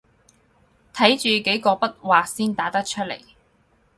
睇住幾個筆劃先打得出來